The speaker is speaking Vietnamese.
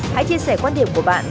hãy chia sẻ quan điểm của bạn